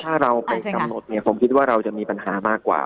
ถ้าเราไปกำหนดเนี่ยผมคิดว่าเราจะมีปัญหามากกว่า